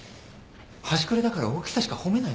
端くれだから大きさしか褒めないのか。